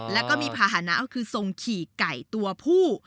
แล้วก็มีภาษณะก็คือทรงขี่ไก่ตัวผู้